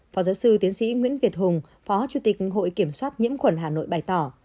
phó giáo sư tiến sĩ nguyễn việt hùng phó chủ tịch hội kiểm soát nhiễm khuẩn hà nội bày tỏ